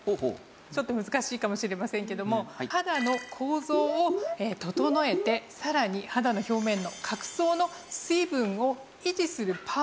ちょっと難しいかもしれませんけども肌の構造を整えてさらに肌の表面の角層の水分を維持するパワーを秘めた成分なんです。